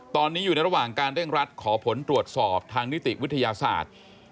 ตอนนี้อยู่ในระหว่างการเร่งรัดขอผลตรวจสอบทางนิติวิทยาศาสตร์